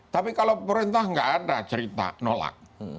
tapi kalau perintah nggak ada cerita nolak